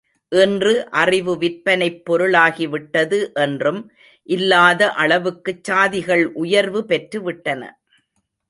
இன்று அறிவு விற்பனைப் பொருளாகிவிட்டது என்றும் இல்லாத அளவுக்குச் சாதிகள் உயர்வு பெற்றுவிட்டன.